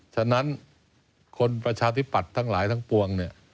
ฉะนั้นคนประชาธิปัตย์ทั้งหลายทั้งปวงเนี่ย